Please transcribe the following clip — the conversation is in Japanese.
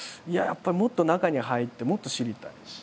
やっぱりもっと中に入ってもっと知りたいし。